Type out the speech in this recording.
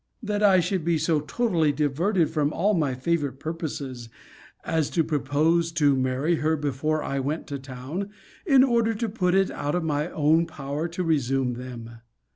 That I should be so totally diverted from all my favourite purposes, as to propose to marry her before I went to town, in order to put it out of my own power to resume them.